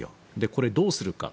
これ、どうするか。